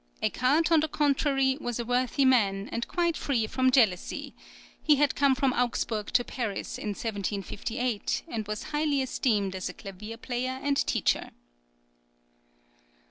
Eckart, on the contrary, was a worthy man, and quite free from jealousy; he had come from Augsburg to Paris in 1758, and was highly esteemed as a clavier player and teacher.